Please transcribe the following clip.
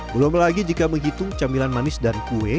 belum lagi jika menghitung camilan manis dan kue